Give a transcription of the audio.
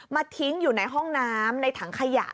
ทิ้งอยู่ในห้องน้ำในถังขยะ